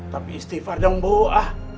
tapi istighfar dong bu ah